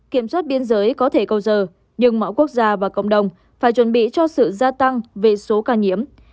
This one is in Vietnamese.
kiểm soát biên giới có thể cầu giờ nhưng mọi quốc gia và cộng đồng phải chuẩn bị cho sự gia tăng về số ca nhiễm